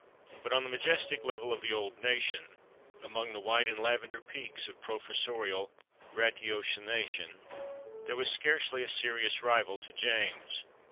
But on the majestic level of the old Nation, among the white and lavender peaks of professorial ratiocination, there was scarcely a serious rival to James.